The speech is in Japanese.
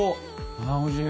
あおいしい。